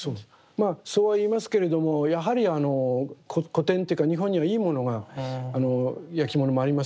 まあそうは言いますけれどもやはり古典というか日本にはいいものがやきものもあります